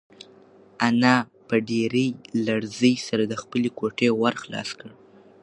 انا په ډېرې لړزې سره د خپلې کوټې ور خلاص کړ.